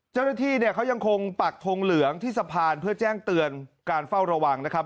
เจ้าหน้าที่เนี่ยเขายังคงปักทงเหลืองที่สะพานเพื่อแจ้งเตือนการเฝ้าระวังนะครับ